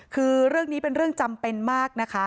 คือเรื่องนี้เป็นเรื่องจำเป็นมากนะคะ